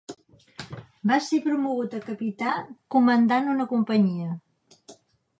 Va ser promogut a capità comandant una companyia.